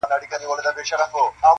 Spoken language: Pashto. وخت به پر تڼاکو ستا تر کلي دروستلی یم -